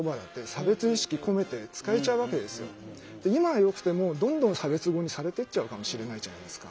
今はよくてもどんどん差別語にされてっちゃうかもしれないじゃないですか。